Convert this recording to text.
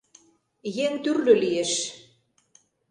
«Еҥ тӱрлӧ лиеш.